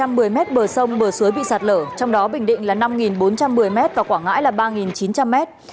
chín ba trăm một mươi mét bờ sông bờ suối bị sạt lở trong đó bình định là năm bốn trăm một mươi mét và quảng ngãi là ba chín trăm linh mét